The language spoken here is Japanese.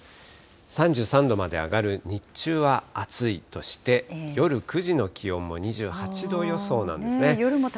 ３３度まで上がる日中は暑いとして、夜９時の気温も２８度予想なんですね。